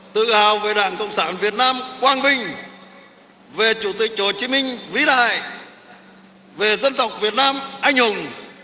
tự hào về đảng cộng sản việt nam quang vinh về chủ tịch hồ chí minh vĩ đại về dân tộc việt nam anh hùng